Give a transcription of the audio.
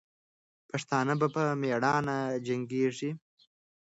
پښتانه به په میړانې جنګېږي.